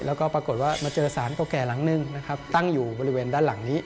แล้วก็ปรากฏว่ามาเจอสารเก่าแก่หลังนึงนะครับตั้งอยู่บริเวณด้านหลังนี้